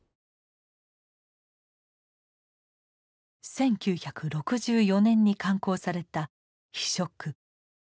１９６４年に刊行された「非色」。